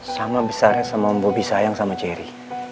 sama besarnya sama om bobby sayang sama jerry